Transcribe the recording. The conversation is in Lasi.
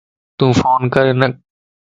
تُون فون ڪَر ھنک